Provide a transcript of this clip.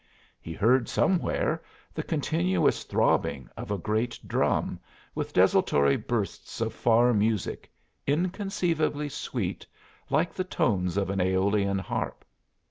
He heard, somewhere, the continuous throbbing of a great drum, with desultory bursts of far music, inconceivably sweet, like the tones of an æolian harp.